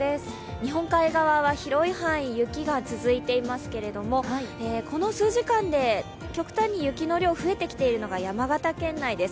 日本海側は広い範囲、雪が続いていますけれども、この数時間で極端に雪の量増えているのが山形県内です。